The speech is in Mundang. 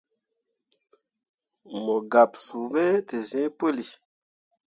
Mo gaɓsuu me te zĩĩ puli.